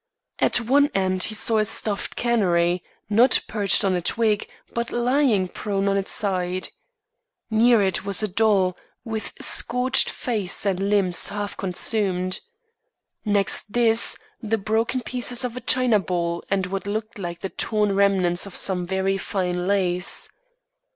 At one end he saw a stuffed canary, not perched on a twig, but lying prone on its side. Near it was a doll, with scorched face and limbs half consumed. Next this, the broken pieces of a china bowl and what looked like the torn remnants of some very fine lace.